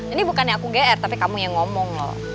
ini bukannya aku gr tapi kamu yang ngomong loh